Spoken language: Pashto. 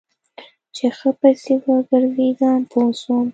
چې ښه پسې وګرځېدم پوه سوم.